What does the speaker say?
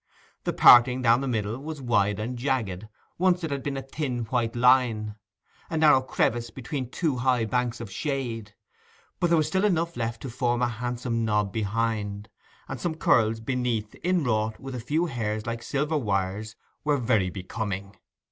The parting down the middle was wide and jagged; once it had been a thin white line, a narrow crevice between two high banks of shade. But there was still enough left to form a handsome knob behind, and some curls beneath inwrought with a few hairs like silver wires were very becoming.